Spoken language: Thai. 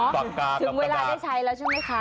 ถึงเวลาได้ใช้แล้วใช่ไหมคะ